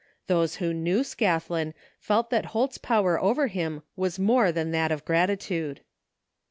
Those who knew Scathlin felt that Holt's power over him was more than that of gratitude.